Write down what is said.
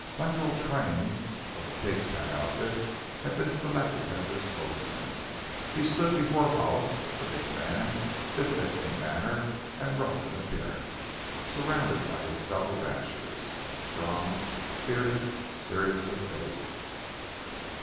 Lemuel Train, of the Pig pen outfit, had been selected as their spokesman. He stood before Hollis, a big man, diffident in manner and rough in appearance, surrounded by his fellow ranchers, bronzed, bearded, serious of face.